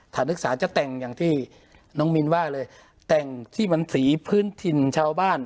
นักศึกษาจะแต่งอย่างที่น้องมินว่าเลยแต่งที่มันสีพื้นถิ่นชาวบ้าน